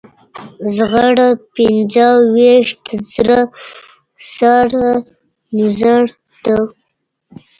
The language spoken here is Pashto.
زغره پنځه ویشت زره سره زر ده.